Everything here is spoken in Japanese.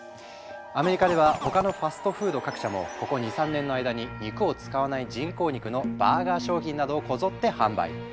アメリカでは他のファストフード各社もここ２３年の間に肉を使わない人工肉のバーガー商品などをこぞって販売。